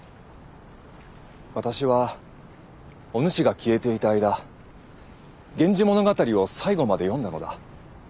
私はおぬしが消えていた間「源氏物語」を最後まで読んだのだ。